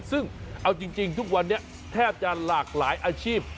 ซึ่งเอาจริงทุกวันนี้แทบจะหลากหลายอาชีพ